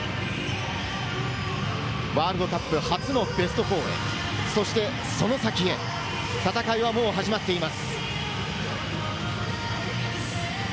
ワールドカップ初のベスト４へ、そしてその先へ、戦いはもう始まっています。